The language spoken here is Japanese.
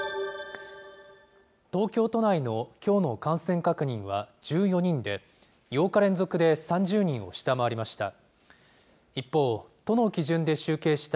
東京都内のきょうの感染確認は１４人で、８日連続で３０人を下回りました。